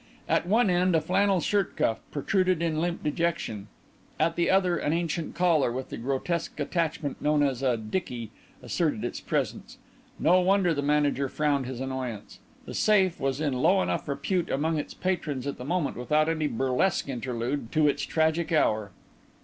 At one end a flannel shirt cuff protruded in limp dejection; at the other an ancient collar, with the grotesque attachment known as a "dickey," asserted its presence. No wonder the manager frowned his annoyance. "The Safe" was in low enough repute among its patrons at that moment without any burlesque interlude to its tragic hour.